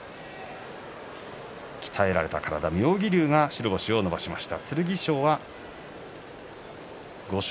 鍛えられた妙義龍が５勝２敗と星を伸ばしました。